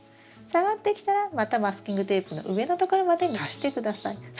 下がってきたらまたマスキングテープの上のところまで足して下さい。